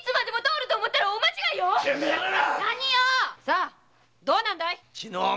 さどうなんだい！